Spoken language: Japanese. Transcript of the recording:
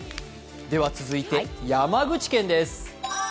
続いて山口県です。